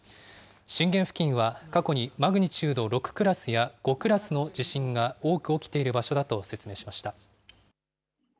震源付近は過去にマグニチュード６クラスや５クラスの地震が多く起きている場所だと説明しました。